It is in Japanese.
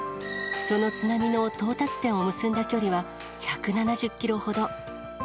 その津波の到達点を結んだ距離は１７０キロほど。